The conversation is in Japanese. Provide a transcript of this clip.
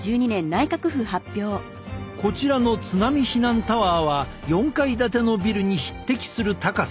こちらの津波避難タワーは４階建てのビルに匹敵する高さ。